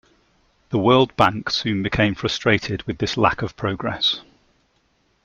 The World Bank soon became frustrated with this lack of progress.